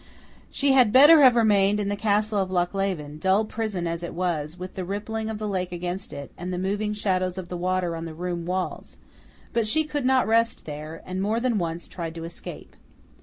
She had better have remained in the castle of Lochleven, dull prison as it was, with the rippling of the lake against it, and the moving shadows of the water on the room walls; but she could not rest there, and more than once tried to escape.